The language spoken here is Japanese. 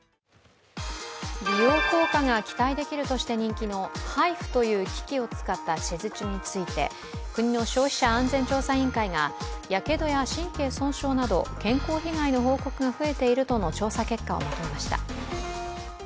美容効果が期待できるなどと人気のＨＩＦＵという機器を使った施術について、国の消費者安全調査委員会がやけどや神経損傷など健康被害の報告が増えているとの調査結果をまとめました。